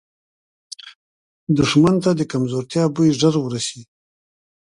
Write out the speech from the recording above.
دښمن ته د کمزورتیا بوی ژر وررسي